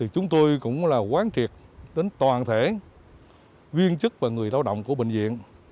chúng tôi cũng quán triệt đến toàn thể viên chức và người lao động của bệnh viện